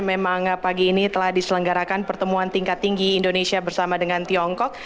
memang pagi ini telah diselenggarakan pertemuan tingkat tinggi indonesia bersama dengan tiongkok